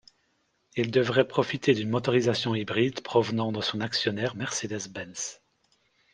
Il devrait profiter d'une motorisation hybride provenant de son actionnaire Mercedes-Benz.